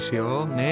ねえ。